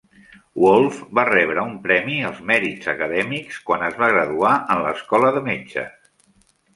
Wolf va rebre un premi als mèrits acadèmics quan es va graduar en l'escola de metges.